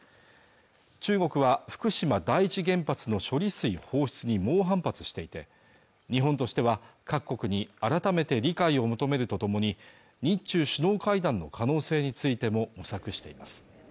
中国は福島第一原発の処理水放出に猛反発していて日本としては各国に改めて理解を求めるとともに日中首脳会談の可能性についても模索しています